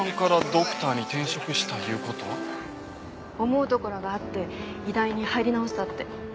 思うところがあって医大に入り直したって。